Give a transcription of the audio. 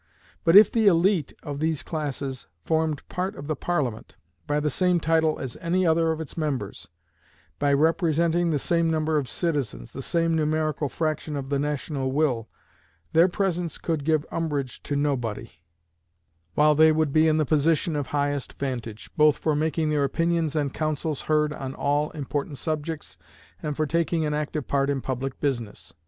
But if the élite of these classes formed part of the Parliament, by the same title as any other of its members by representing the same number of citizens, the same numerical fraction of the national will their presence could give umbrage to nobody, while they would be in the position of highest vantage, both for making their opinions and councils heard on all important subjects, and for taking an active part in public business.